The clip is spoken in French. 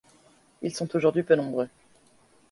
Ils sont aujourd'hui peu nombreux.